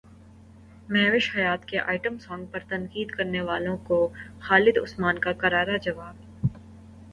مہوش حیات کے item song پر تنقید کرنے والوں کو خالد عثمان کا کرارا جواب